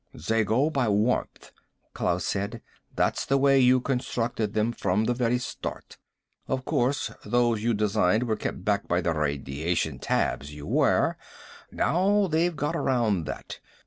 "They go by warmth," Klaus said. "That was the way you constructed them from the very start. Of course, those you designed were kept back by the radiation tabs you wear. Now they've got around that.